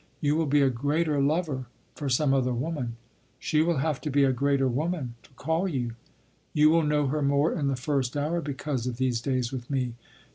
... You will be a greater lover for some other woman. She will have to be a greater woman to call you. You will know her more in the first hour because of these days with me.